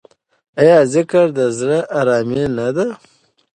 آیا ذکر د زړه ارامي نه ده؟